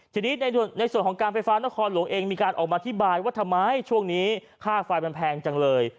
ทีนี้ในส่วนของการไฟฟ้านครหลวงเองมีการออกมาอธิบายว่าทำไมช่วงนี้ค่าไฟมันแพงจังเลย